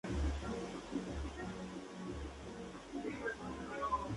Angel sale de la línea pop a la que el grupo nos tenía acostumbrados.